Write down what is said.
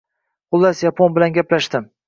Xullas, yapon bilan gaplashdim.